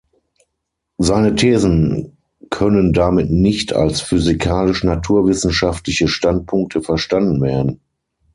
Seine Thesen können damit nicht als physikalisch-naturwissenschaftliche Standpunkte verstanden werden.